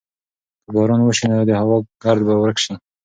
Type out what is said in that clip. که باران وسي نو د هوا ګرد به ورک سي.